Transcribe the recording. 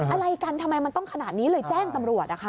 อะไรกันทำไมมันต้องขนาดนี้เลยแจ้งตำรวจนะคะ